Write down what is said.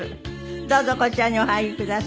どうぞこちらにお入りください。